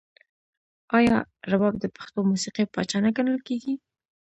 آیا رباب د پښتو موسیقۍ پاچا نه ګڼل کیږي؟